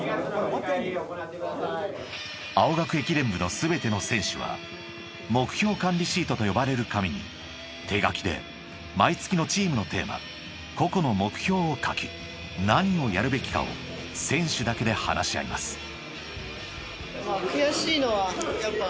［青学駅伝部の全ての選手は目標管理シートと呼ばれる紙に手書きで毎月のチームのテーマ個々の目標を書き何をやるべきかを選手だけで話し合います］